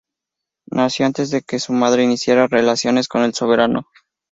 Nació antes de que su madre iniciara relaciones con el soberano.